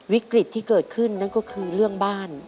วิกฤตที่เกิดขึ้นนั่นก็คือเรื่องบ้าน